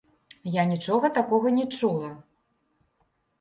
Я нічога такога не чула.